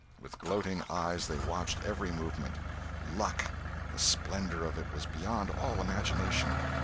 With gloating eyes they watched every movement. Luck!—the splendor of it was beyond all imagination!